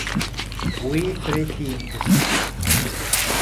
We Three Kings